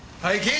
はい！